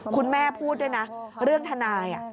คุณแม่พูดด้วยนะเรื่องทนาย